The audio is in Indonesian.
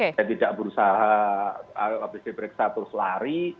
saya tidak berusaha habis diperiksa terus lari